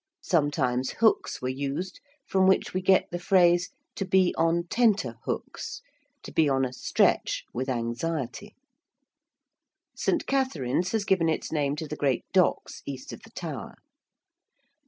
Sometimes hooks were used, from which we get the phrase 'to be on tenter hooks' to be on a stretch with anxiety. ~St. Katharine's~ has given its name to the great docks east of the Tower.